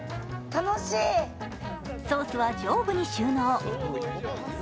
ソースは上部に収納。